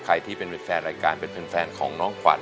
ใครที่เป็นแฟนรายการเป็นแฟนของน้องขวัญ